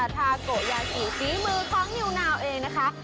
ทาโกยากิของนิวนาวเองนะคะ